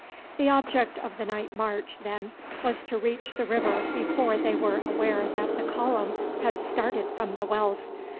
The object of the night march, then, was to reach the river before they were aware that the column had started from the wells.